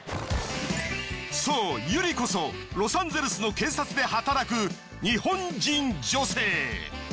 そうＹＵＲＩこそロサンゼルスの警察で働く日本人女性。